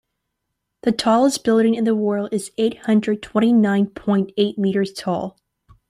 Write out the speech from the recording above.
The tallest building in the world is eight hundred twenty nine point eight meters tall.